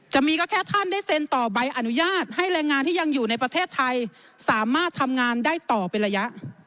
จะมีก็แค่ท่านได้เซ็นต่อใบอนุญาตให้แรงงานที่ยังอยู่ในประเทศไทยสามารถทำงานได้ต่อเป็นระยะ